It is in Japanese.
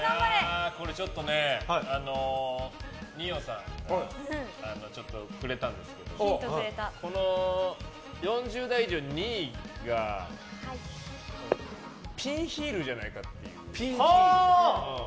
これちょっとね、二葉さんがヒントくれたんですけど４０代以上２位がピンヒールじゃないかっていう。